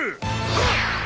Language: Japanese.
はっ！